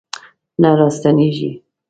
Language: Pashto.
نه راستنیږي